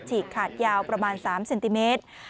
ฉีกขาดยาวประมาณ๓เซนติเมตร